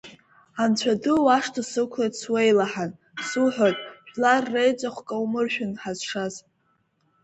Анцәа ду, уашҭа сықәлеит суеилаҳан, суҳәоит, жәлар риеҵәахә каумыршәын, Ҳазшаз!